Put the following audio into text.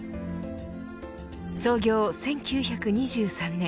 創業１９２３年。